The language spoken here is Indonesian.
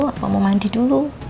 atau mau mandi dulu